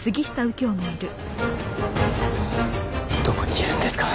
どこにいるんですか？